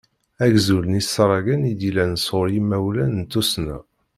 Agzul n yisaragen i d-yellan s ɣur yimawlan n tussna.